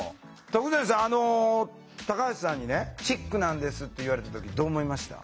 徳善さんタカハシさんにねチックなんですって言われた時どう思いました？